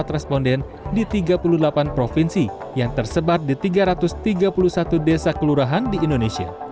empat responden di tiga puluh delapan provinsi yang tersebar di tiga ratus tiga puluh satu desa kelurahan di indonesia